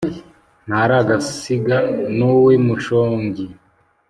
ntaragasiga n’uw’i mushongi